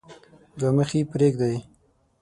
دوه مخي پريږدي.